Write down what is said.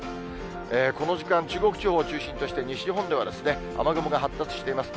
この時間、中国地方を中心として、西日本では雨雲が発達しています。